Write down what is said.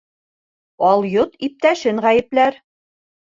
Алйот иптәшен ғәйепләр.